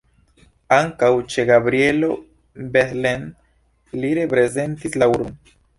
Ankaŭ ĉe Gabrielo Bethlen li reprezentis la urbon.